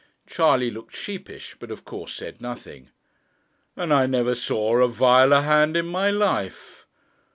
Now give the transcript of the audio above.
Charley looked sheepish, but of course said nothing. 'And I never saw a viler hand in my life.